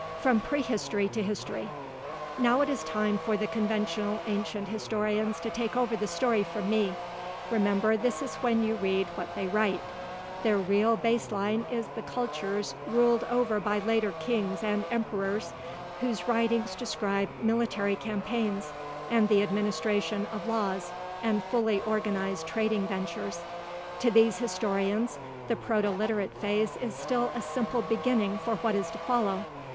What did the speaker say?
FROM PREHISTORY TO HISTORY Now it is time for the conventional ancient historians to take over the story from me. Remember this when you read what they write. Their real base line is with cultures ruled over by later kings and emperors, whose writings describe military campaigns and the administration of laws and fully organized trading ventures. To these historians, the Proto Literate phase is still a simple beginning for what is to follow.